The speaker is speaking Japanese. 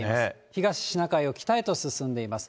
東シナ海を北へと進んでいます。